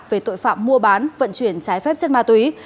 về tội phạm mua bán vận chuyển trái phép chất ma túy